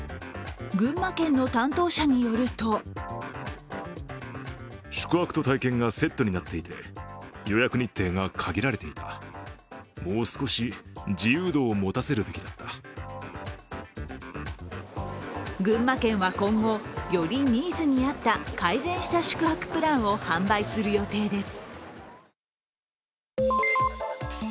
群馬県の担当者によると群馬県は今後、よりニーズに合った改善した宿泊プランを販売する予定です。